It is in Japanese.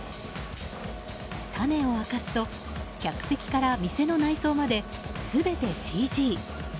種を明かすと、客席から店の内装まで全てＣＧ。